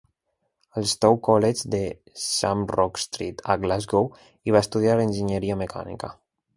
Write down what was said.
A l'Stow College de "Shamrock Street" a Glasgow, hi va estudiar Enginyeria Mecànica.